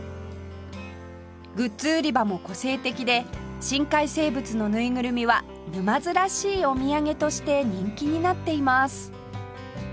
グッズ売り場も個性的で深海生物のぬいぐるみは沼津らしいお土産として人気になっています